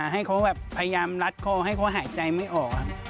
ให้เขาแบบพยายามรัดคอให้เขาหายใจไม่ออก